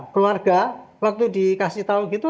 keluarga waktu dikasih tahu gitu